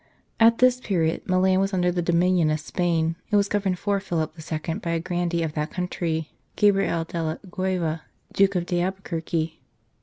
At this period Milan was under the dominion of Spain, and was governed for Philip II. by a grandee of that country, Gabriel della Gueva, Duke d Albuquerque.